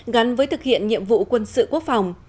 gắn với thực hiện nhiệm vụ quân sự quốc phòng